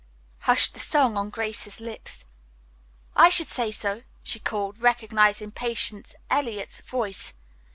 hushed the song on Grace's lips. "I should say so," she called, recognizing Patience Eliot's voice.